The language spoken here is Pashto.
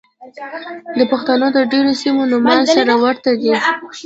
د پښتنو د ډېرو سيمو نومان سره ورته دي.